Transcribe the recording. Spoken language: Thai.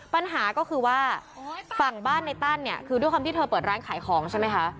ปัญหาก็คือว่าฝั่งบ้านในตั้นเนี่ยคือด้วยความที่เธอเปิดร้านขายของใช่ไหมคะ